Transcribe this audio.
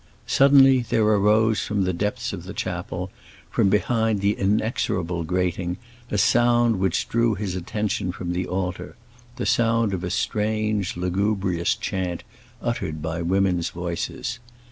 Suddenly there arose from the depths of the chapel, from behind the inexorable grating, a sound which drew his attention from the altar—the sound of a strange, lugubrious chant, uttered by women's voices.